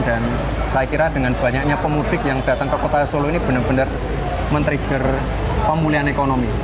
dan saya kira dengan banyaknya pemudik yang datang ke kota solo ini benar benar men trigger pemulihan ekonomi